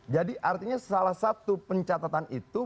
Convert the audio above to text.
jadi artinya salah satu pencatatan itu